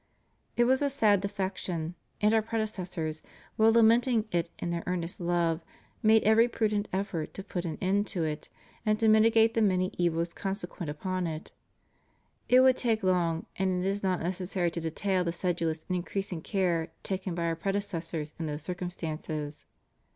It was a sad defection; and Our predecessors, while lamenting it in their earnest love, made every prudent effort to put an end to it, and to mitigate the many evils consequent upon it. It would take long, and it is not necessary, to detail the sedulous and increasing care taken by Our predecessors in those circumstances.